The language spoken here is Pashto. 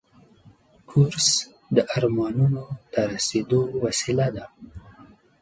کورس د ارمانونو ته رسیدو وسیله ده.